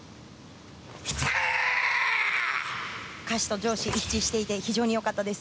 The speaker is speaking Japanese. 下肢と上肢が一致していて非常に良かったです。